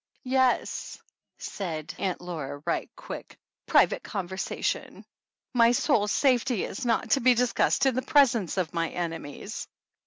"Yes," said Aunt Laura right quick, "private conversation. My soul's safety is not to be dis cussed in the presence of my enemies